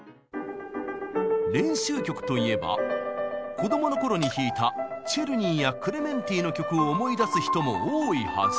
練習曲といえば子供の頃に弾いたチェルニーやクレメンティの曲を思い出す人も多いはず。